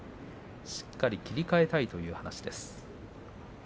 しっかり切り替えたいという話です。